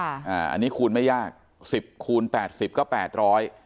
อันนี้คูณไม่ยากสิบคูณแปดสิบก็แปดร้อย